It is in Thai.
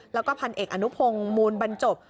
แล้วก็พันเอกอนุพงศ์มูลบรรจบ